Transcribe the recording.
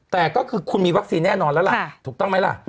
แต่ก็คือคุณมีวัคซีนแน่นอนแล้วล่ะถูกต้องไหมล่ะ